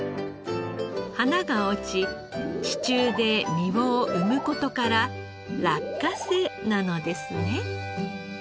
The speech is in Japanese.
花が落ち地中で実を生む事から落花生なのですね。